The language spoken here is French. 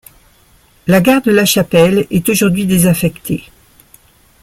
La gare de Lachapelle est aujourd'hui désaffectée.